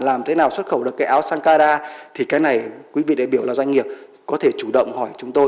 làm thế nào xuất khẩu được cái áo sang canada thì cái này quý vị đại biểu là doanh nghiệp có thể chủ động hỏi chúng tôi